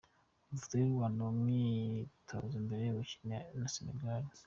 Amafoto y’u Rwanda mu myitozo mbere yo gukina na Sénégal:.